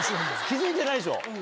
気付いてないでしょ